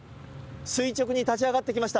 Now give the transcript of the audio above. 垂直に立ち上がってきました。